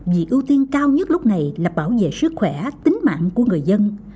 việc ưu tiên cao nhất lúc này là bảo vệ sức khỏe tính mạng của người dân